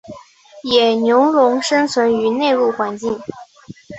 野牛龙生存于内陆环境。